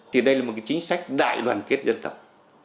thì đây là một cái chính sách đại đoàn kết dân tộc